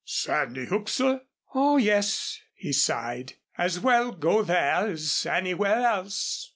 "Sandy Hook, sir?" "Oh, yes," he sighed, "as well go there as anywhere else.